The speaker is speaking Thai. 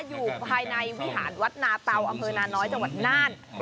อยู่ภายในวิหารวัดหนาเตาอนจังหวัดน่าน